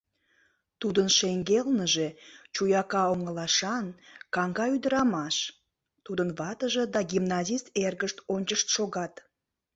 Тудын шеҥгелныже чуяка оҥылашан, каҥга ӱдырамаш — тудын ватыже да гимназист эргышт ончышт шогат.